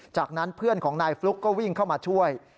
จากนั้นเพื่อนของนายฟลุ๊กก็วิ่งเข้ามาช่วย